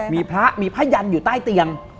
มีพระมีพระยันอยู่ใต้เตียง